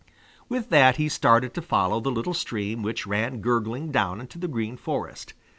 With that he started to follow the little stream which ran gurgling down into the Green Forest.